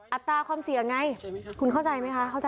อัตราความเสี่ยงไงคุณเข้าใจไหมคะ